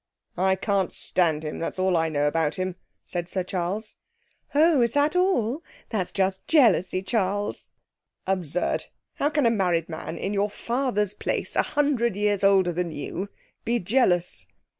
'I can't stand him. That's all I know about him,' said Sir Charles. 'Oh, is that all? That's just jealousy, Charles.' 'Absurd! How can a married man, in your father's place, a hundred years older than you, be jealous?'